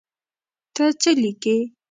ته څه لیکې.